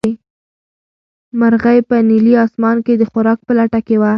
مرغۍ په نیلي اسمان کې د خوراک په لټه کې وه.